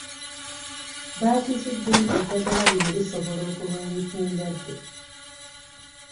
Baakizudde nti eddagala lino lisobola okulwanyisa endwadde.